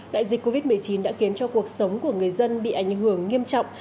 đại dịch covid một mươi chín đã khiến cho cuộc sống của người dân bị ảnh hưởng nghiêm trọng